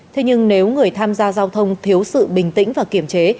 thế nhưng nếu người tham gia giao thông thiếu sự bình tĩnh và kinh tế